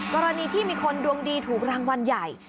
กรณีที่มีคนดวงดีถูกรางวัลใหญ่